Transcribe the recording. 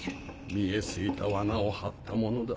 見え透いた罠を張ったものだ。